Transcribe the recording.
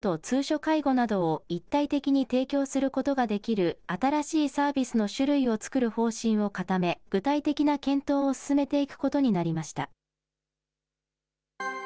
労働省は、別々の事業として位置づけられている訪問介護と通所介護などを一体的に提供することができる新しいサービスの種類を作る方針を固め、具体的な検討を進めていくことになりました。